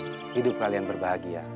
mudah mudahan hidup kalian berbahagia